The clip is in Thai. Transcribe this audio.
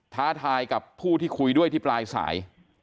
ท้าทายกับผู้ที่คุยด้วยที่ปลายสาย